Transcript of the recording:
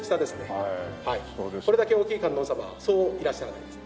これだけ大きい観音様はそういらっしゃらないです。